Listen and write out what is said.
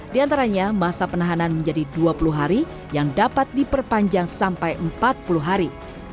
di antaranya masa penahanan menjadi dua puluh hari yang dapat diperpanjang sampai empat puluh hari